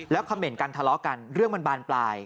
แล้วคำเห็นกันทะเลาะกันเรื่องมันบานปลาย